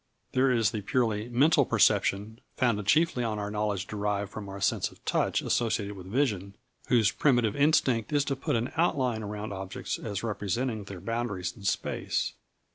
There is the purely mental perception founded chiefly on knowledge derived from our sense of touch associated with vision, whose primitive instinct is to put an outline round objects as representing their boundaries in space.